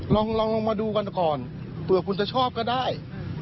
ลองลงมาดูกันก่อนเผื่อคุณจะชอบก็ได้